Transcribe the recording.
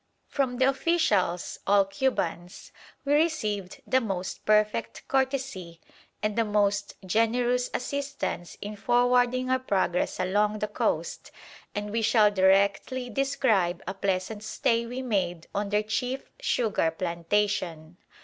From the officials all Cubans we received the most perfect courtesy and the most generous assistance in forwarding our progress along the coast, and we shall directly describe a pleasant stay we made on their chief sugar plantation.